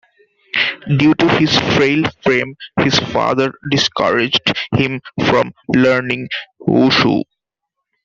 Due to his frail frame, his father discouraged him from learning wushu.